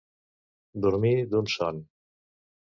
Dormir d'un son.